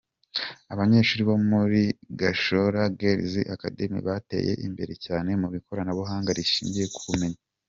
Abanyeshuri bo muri Gashora Girls Academy bateye imbere cyane mu ikoranabuhanga rishingiye ku bumenyi.